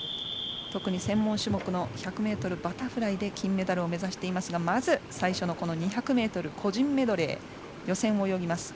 特に専門種目の１００ｍバタフライで金メダルを目指していますがまず最初の２００ｍ個人メドレー予選を泳ぎます。